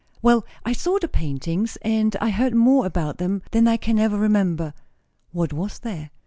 "Well, I saw the paintings; and I heard more about them than I can ever remember." "What was there?"